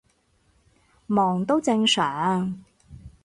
忙都正常